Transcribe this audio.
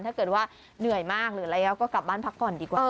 ถ้าเกิดว่าเหนื่อยมากหรืออะไรแล้วก็กลับบ้านพักผ่อนดีกว่า